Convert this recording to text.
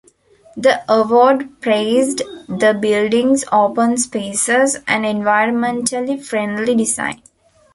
The award praised the buildings open spaces and environmentally friendly design.